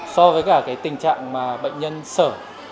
so với cả cái tình trạng mà bệnh nhân sở